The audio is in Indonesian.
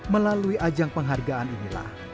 melalui ajang penghargaan inilah